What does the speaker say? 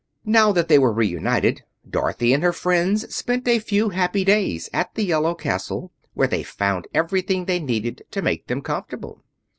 Now that they were reunited, Dorothy and her friends spent a few happy days at the Yellow Castle, where they found everything they needed to make them comfortable.